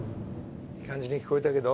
いい感じに聴こえたけど？